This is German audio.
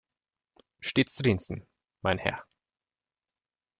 Stets zu Diensten, mein Herr!